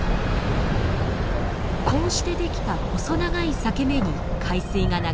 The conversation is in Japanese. こうして出来た細長い裂け目に海水が流れ込みます。